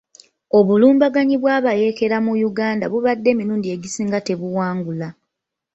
Obulumbaganyi bw'abayeekera mu Uganda bubadde emirundi egisinga tebuwangula.